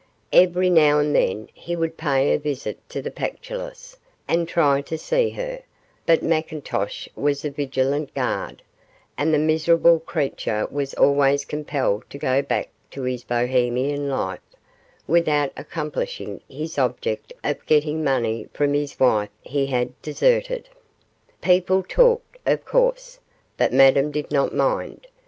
Every now and then he would pay a visit to the Pactolus, and try to see her, but McIntosh was a vigilant guard, and the miserable creature was always compelled to go back to his Bohemian life without accomplishing his object of getting money from the wife he had deserted. People talked, of course, but Madame did not mind.